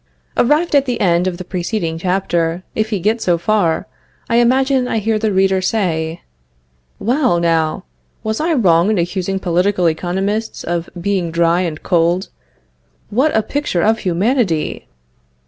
Arrived at the end of the preceding chapter, if he gets so far, I imagine I hear the reader say: "Well, now, was I wrong in accusing political economists of being dry and cold? What a picture of humanity!